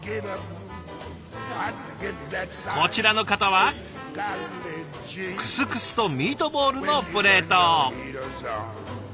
こちらの方はクスクスとミートボールのプレート。